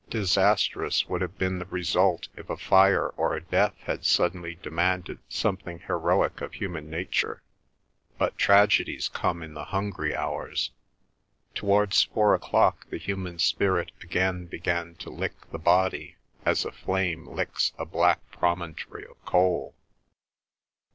Disastrous would have been the result if a fire or a death had suddenly demanded something heroic of human nature, but tragedies come in the hungry hours. Towards four o'clock the human spirit again began to lick the body, as a flame licks a black promontory of coal.